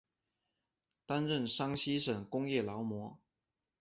担任山西省工业劳模。